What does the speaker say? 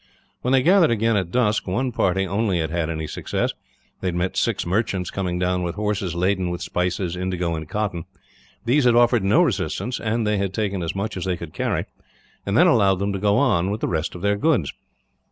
When they gathered again, at dusk, one party only had had any success. They had met six merchants coming down with horses laden with spices, indigo, and cotton. These had offered no resistance, and they had taken as much as they could carry, and then allowed them to go on with the rest of their goods.